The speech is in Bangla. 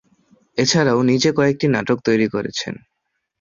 এছাড়াও নিজে কয়েকটি নাটক তৈরি করেছেন।